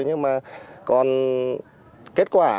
nhưng mà còn kết quả